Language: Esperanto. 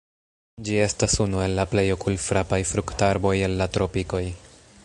Ĝi estas unu el la plej okulfrapaj fruktarboj el la tropikoj.